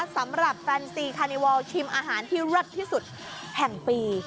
สำหรับแฟนซีคานิวอลชิมอาหารที่เลิศที่สุดแห่งปี